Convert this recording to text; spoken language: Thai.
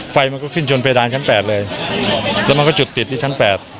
ไฟมันก็ขึ้นจนประดานแรงแม่เลยมันก็จุดติดที่ชั้น๘